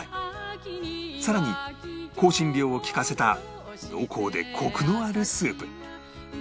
さらに香辛料をきかせた濃厚でコクのあるスープ